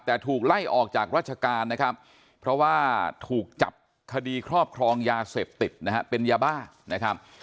แต่ถูกไล่ออกจากราชการนะครับเพราะว่าถูกจับคดีครอบครองยาเสพติดนะฮะเป็นยาบ้านะครับ